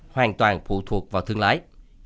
hoàn toàn phụ thuộc vào thương lái